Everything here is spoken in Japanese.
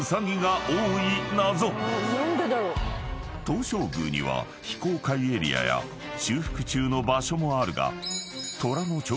［東照宮には非公開エリアや修復中の場所もあるが］